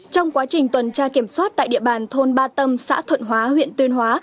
trong quá trình tuần tra kiểm soát tại địa bàn thôn ba tâm xã thuận hóa huyện tuyên hóa